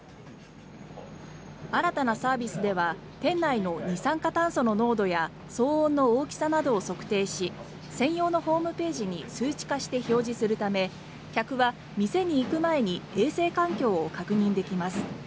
新たなサービスでは店内の二酸化炭素の濃度や騒音の大きさなどを測定し専用のホームページに数値化して表示するため客は店に行く前に衛生環境を確認できます。